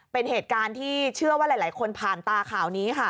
เป็นเหตุการณ์ที่เชื่อว่าหลายคนผ่านตาข่าวนี้ค่ะ